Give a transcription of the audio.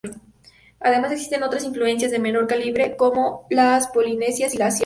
Además existen otras influencias de menor calibre como las polinesias y la asiática.